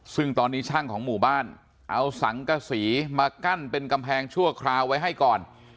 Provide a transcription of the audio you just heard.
ซึ่งตอนนี้ช่างของหมู่บ้านเอาสังกษีมากั้นเป็นกำแพงชั่วคราวไว้ให้ก่อน